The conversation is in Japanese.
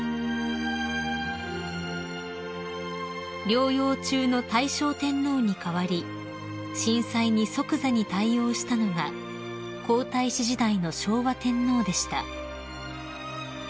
［療養中の大正天皇に代わり震災に即座に対応したのが皇太子時代の昭和天皇でした］